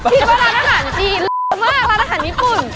ทีมมาร้านอาหารจีนเป็นแรงน้อยมากร้านอาหารญี่ปุ่น